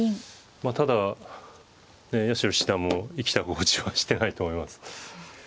まあただ八代七段も生きた心地はしてないと思います。